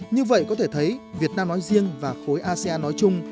như vậy có thể thấy việt nam nói riêng và khối asean nói chung